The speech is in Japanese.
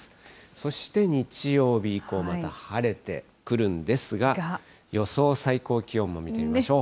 そして日曜日以降、また晴れてくるんですが、予想最高気温も見てみましょう。